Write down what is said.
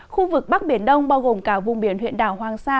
khu vực bắc biển đông bao gồm cả vùng biển huyện đảo hoàng sa